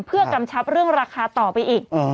เพื่อกำชับเรื่องราคาต่อไปอีก